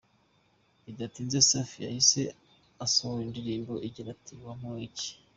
Bidatinze, Safi yahise asohora indirimbo igira iti: “Wampoye iki”.